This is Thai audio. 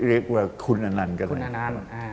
เอ้ยมาคุณอะนันก็ได้